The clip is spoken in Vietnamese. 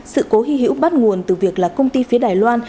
sự cố hy hữu bắt nguồn từ việc là công ty phía đài loan